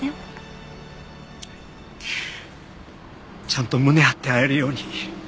ちゃんと胸張って会えるように。